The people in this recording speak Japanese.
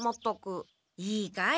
いいかい？